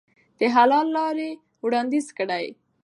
د حل لارې وړاندیز کړئ.